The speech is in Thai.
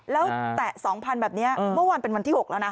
แล้วแตะ๒๐๐๐แบบนี้เมื่อวานเป็นวันที่๖แล้วนะ